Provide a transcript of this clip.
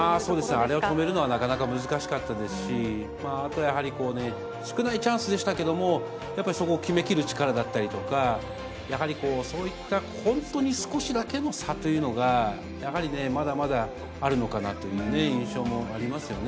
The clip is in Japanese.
あれを止めるのは、なかなか難しかったですし、あとやはり、少ないチャンスでしたけれども、やっぱりそこを決めきる力だったりとか、やはりそういった本当に少しだけの差というのが、やはりね、まだまだあるのかなという印象もありますよね。